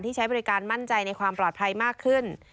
ใช้บริการมั่นใจในความปลอดภัยมากขึ้น